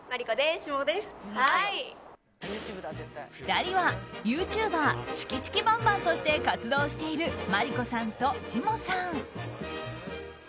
２人はユーチューバーチキチキバンバンとして活動しているまりこさんと、ちもさん。